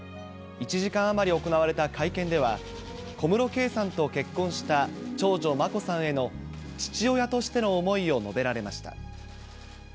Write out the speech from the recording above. １時間余り行われた会見では、小室圭さんと結婚した長女、眞子さんへの父親としての思いを述べられました。